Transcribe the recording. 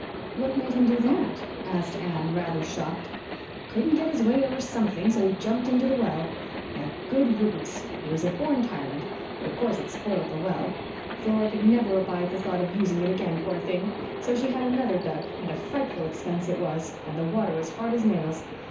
"What made him do that?" asked Anne, rather shocked. "Couldn't get his way over something, so he jumped into the well. A good riddance! He was a born tyrant. But of course it spoiled the well. Flora could never abide the thought of using it again, poor thing! So she had another dug and a frightful expense it was, and the water as hard as nails.